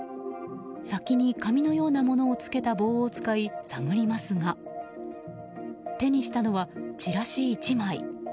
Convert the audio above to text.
先に紙のようなものを付けた棒を使い探りますが手にしたのは、チラシ１枚。